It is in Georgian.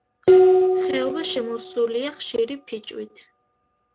ხეობა შემოსილია ხშირი ფიჭვით.